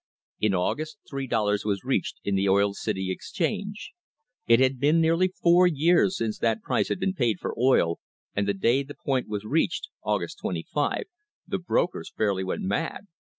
In August three dollars was reached in the Oil City exchange. It had been nearly four years since that price had been paid for oil, and the day the point was reached (August 25) the brokers fairly went mad.